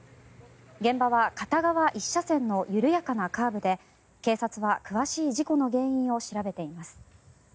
現場は片側１車線の緩やかなカーブで警察は詳しい事故の原因を調べています。